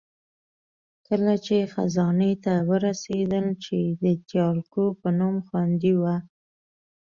کله چې خزانې ته ورسېدل، چې د تیالکو په نوم خوندي وه.